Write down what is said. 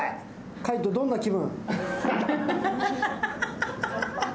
海音、どんな気分？